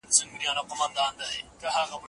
یوه ورځ به داسي راسي مدرسه به پوهنتون وي